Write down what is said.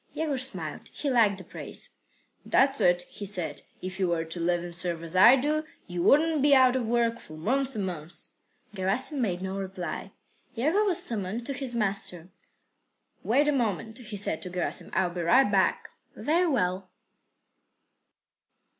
Yegor smiled. He liked the praise. "That's it," he said. "If you were to live and serve as I do, you wouldn't be out of work for months and months." Gerasim made no reply. Yegor was summoned to his master. "Wait a moment," he said to Gerasim. "I'll be right back." "Very well."